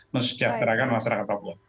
mesejahterakan masyarakat papua